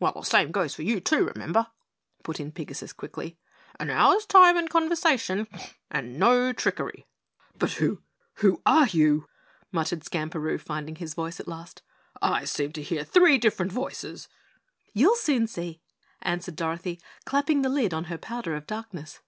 "Well, the same goes for you too, remember," put in Pigasus quickly. "An hour's time and conversation and no trickery." "But who who are you?" muttered Skamperoo, finding his voice at last. "I seem to hear three different voices." "You'll soon see," answered Dorothy, clapping the lid on her powder of darkness.